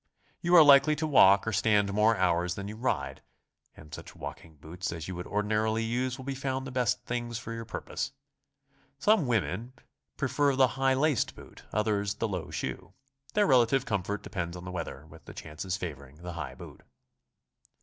You are likely to walk or stand more hours than you ride, and such* walking boots as you would ordinarily use will be found the best things for your purpose. Some women prefer the high laced boot; others, the low shoe. Their relative comfort depends on the weather, with the chances favoring the high boot.